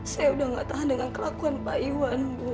saya udah gak tahan dengan kelakuan pak iwan bu